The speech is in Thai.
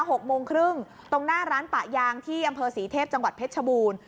หกโมงครึ่งตรงหน้าร้านปะยางที่อำเภอศรีเทพจังหวัดเพชรชบูรณ์